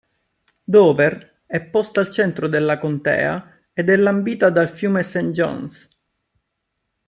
Dover è posta al centro della contea ed è lambita dal fiume St Jones.